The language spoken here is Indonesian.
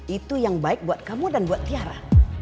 itu yang baik buat kamu dan buat tiara